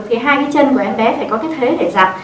thì hai cái chân của em bé phải có cái thế để giặt